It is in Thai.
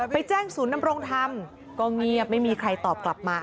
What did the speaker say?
ไปแจ้งศูนย์นำรงธรรมก็เงียบไม่มีใครตอบกลับมา